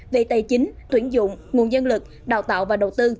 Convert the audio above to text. về tài chính tuyển dụng nguồn dân lực đào tạo và đầu tư